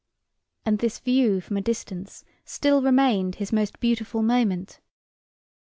And this view from a distance still remained his most beautiful moment.